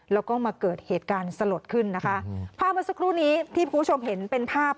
แล้วก็มาเกิดเหตุการณ์สลดขึ้นนะคะภาพเมื่อสักครู่นี้ที่คุณผู้ชมเห็นเป็นภาพ